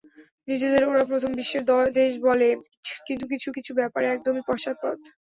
নিজেদের ওরা প্রথম বিশ্বের দেশ বলে, কিন্তু কিছু কিছু ব্যাপারে একদমই পশ্চাৎপদ।